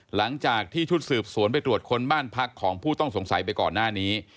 หลังจากที่ชุดสืบสวนไปตรวจคนบ้านพักของผู้ต้องสงสัยไปก่อนหน้านี้